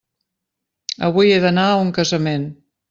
Avui he d'anar a un casament.